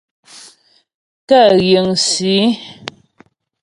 Kə yiŋsǐ.